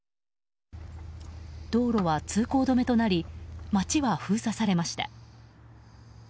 道路は通行止めとなり町は封鎖されました。